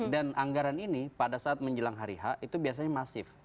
dan anggaran ini pada saat menjelang hari hak itu biasanya masif